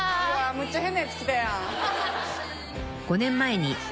むっちゃ変なやつ来たやん。